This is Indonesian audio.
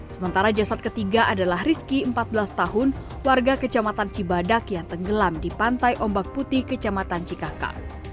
sementara jasad ketiga adalah rizki empat belas tahun warga kejamatan cibadak yang tenggelam di pantai ombak putih kejamatan cikahka